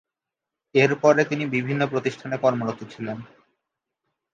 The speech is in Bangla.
এরপরে তিনি বিভিন্ন প্রতিষ্ঠানে কর্মরত ছিলেন।